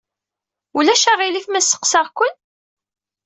Ulac aɣilif ma sseqsaɣ-ken?